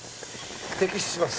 摘出します。